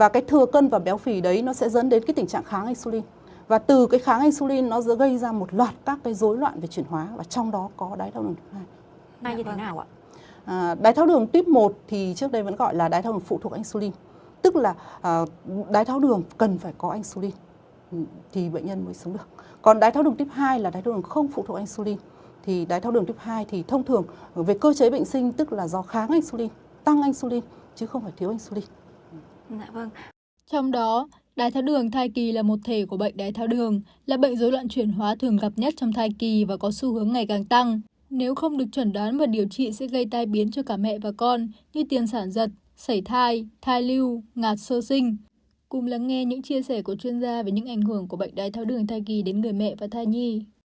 các bạn hãy nghe những chia sẻ của chuyên gia về những ảnh hưởng của bệnh đái tháo đường thai kỳ đến người mẹ và thai nhi